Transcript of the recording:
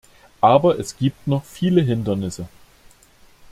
Aber es gibt noch viele Hindernisse.